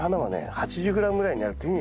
８０ｇぐらいになるというふうにいわれてる。